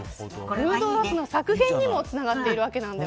フードロスの削減にもつながっています。